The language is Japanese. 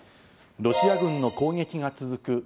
ロシア軍の攻撃が続く